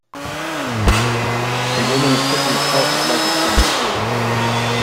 A woman is pushing a cart with luggage down a street.